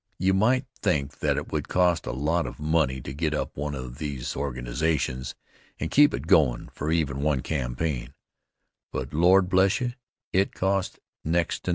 You might think that it would cost a lot of money to get up one of these organizations and keep it goin' for even one campaign, but, Lord bless you! it costs next to nothin'.